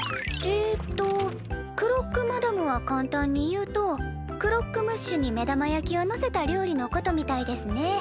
えっとクロックマダムは簡単に言うとクロックムッシュに目玉焼きをのせた料理のことみたいですね。